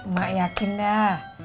gak yakin dah